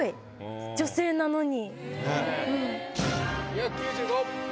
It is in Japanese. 女性なのに。